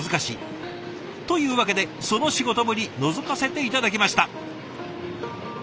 というわけでその仕事ぶりのぞかせて頂きました。